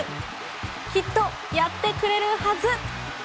きっとやってくれるはず。